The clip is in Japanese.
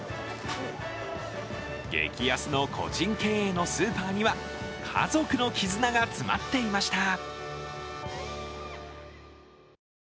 激安の個人経営のスーパーには家族の絆が詰まっていました。